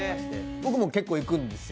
僕も結構行くんですよ。